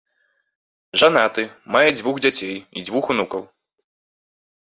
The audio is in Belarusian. Жанаты, мае дзвух дзяцей і дзвух унукаў.